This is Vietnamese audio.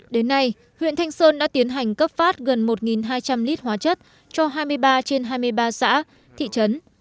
đến nay huyện thanh sơn đã tiến hành cấp phát gần một hai trăm linh lít hóa chất cho hai mươi ba trên hai mươi ba xã thị trấn